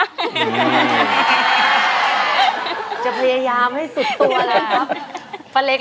อยากจะบอกว่าขอบพระคุณมากเลยที่ช่วยเหลือเนี่ยขอให้ได้ล้านเลยนะ